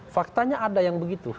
faktanya ada yang begitu